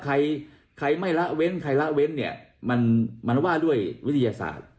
ใครใครไม่ละเว้นใครละเว้นเนี่ยมันว่าด้วยวิทยาศาสตร์